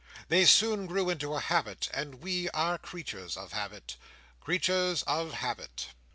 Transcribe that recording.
They soon grew into a habit; and we are creatures of habit—creatures of habit!"